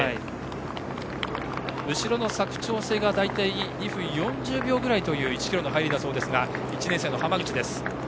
後ろの佐久長聖が大体２分４０秒くらいという１ｋｍの入りだそうですが１年生の濱口です。